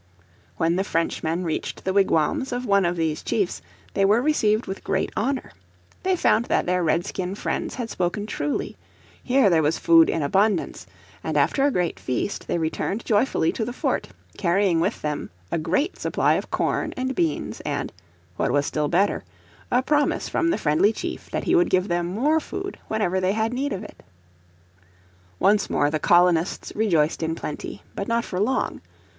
When the Frenchmen reached the wigwams of one of these chiefs they were received with great honour. They found that their Redskin friends had spoken truly. Here there was food in abundance; and after a great feast they returned joyfully to the fort, carrying with them a great supply of corn and beans, and what was still better a promise from the friendly chief that he would give them more food whenever they had need of it. Once more the colonists rejoiced in plenty. But not for long.